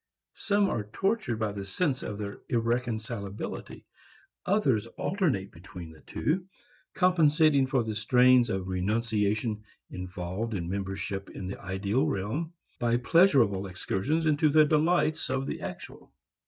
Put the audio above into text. Some are tortured by the sense of their irreconcilability. Others alternate between the two, compensating for the strains of renunciation involved in membership in the ideal realm by pleasurable excursions into the delights of the actual.